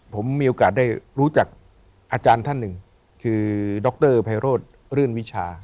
ผมมีโอกาสได้รู้จักอาจารย์ท่านหนึ่งคือดรไพโรธรื่นวิชา